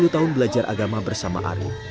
sepuluh tahun belajar agama bersama ari